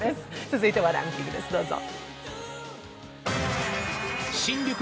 続いてはランキングです、どうぞ。